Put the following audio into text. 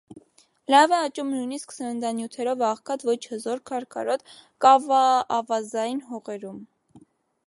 Լավ է աճում նույնիսկ սննդանյութերով աղքատ, ոչ հզոր, քարքարոտ կավավազային հողերում։